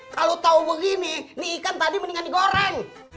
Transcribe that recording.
kalau tahu begini ini ikan tadi mendingan digoreng